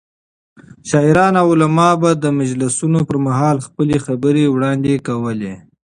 شاعران او علما به د مجلسونو پر مهال خپلې خبرې وړاندې کولې.